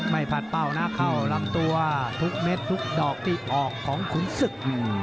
ไม่ผ่านเป้าหน้าเข้าลำตัวทุกเม็ดทุกดอกติดออกของขุนศึก